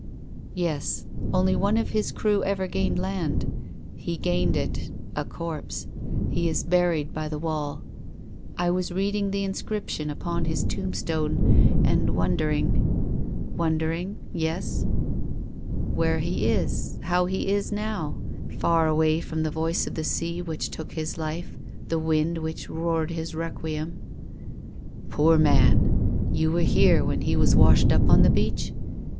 "Yes. Only one of his crew ever gained the land. He gained it — a corpse. He is buried by that wall. I was reading the inscription upon his tombstone, and wondering —" "Wondering? Yes?" " Where he is, how he is now, far away from the voice of the sea which took his life, the wind which roared his requiem." " Poor man ! You were here when he was washed up on the beach?"